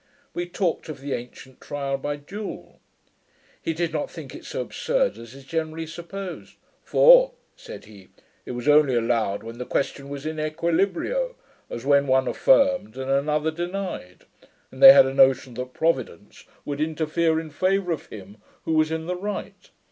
We talked of the ancient trial by duel. He did not think it so absurd as is generally supposed; 'For,' said he, 'it was only allowed when the question was in equilibria, as when one affirmed and another denied; and they had a notion that Providence would interfere in favour of him who was in the right.